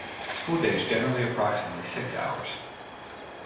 The school day is generally approximately six hours.